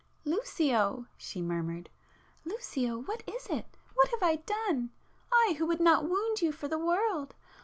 "Lucio,"—she murmured—"Lucio, ... what is it ... what have I done?—I who would not wound you for the world?